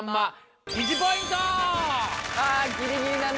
あギリギリだね。